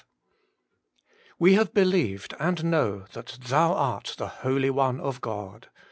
We have believed and know that Thou art the Holy One of God.'